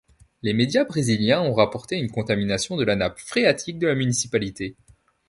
Les médias brésiliens ont rapporté une contamination de la nappe phréatique de la municipalité.